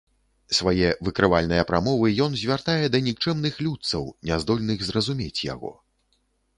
Свае выкрывальныя прамовы ён звяртае да нікчэмных людцаў, няздольных зразумець яго.